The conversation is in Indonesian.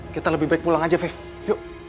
kita lebih baik pulang aja five yuk